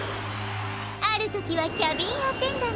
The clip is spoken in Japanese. あるときはキャビンアテンダント。